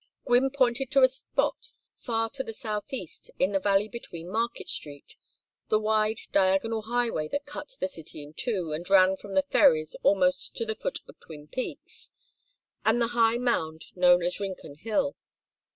Gwynne pointed to a spot far to the southeast, in the valley between Market Street the wide diagonal highway that cut the city in two, and ran from the ferries almost to the foot of Twin Peaks and the high mound known as Rincon Hill.